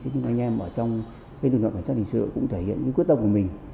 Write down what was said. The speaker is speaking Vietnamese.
nhưng anh em ở trong lực lượng cảnh sát hình sự cũng thể hiện quyết tâm của mình